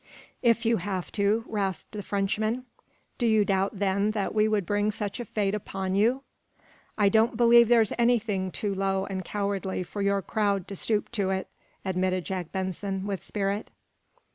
"If you have to?" rasped the Frenchman. "Do you doubt, then, that we would bring such a fate upon you?" "I don't believe there's anything too low and cowardly for your crowd to stoop to it," admitted Jack Benson, with spirit.